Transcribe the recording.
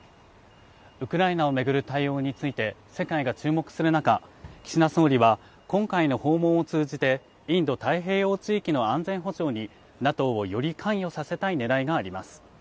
ウクライナを巡る対応について世界が注目する中、岸田総理は、今回の訪問を通じてインド太平洋地域の安全保障にＮＡＴＯをより関与させたい狙いがあります。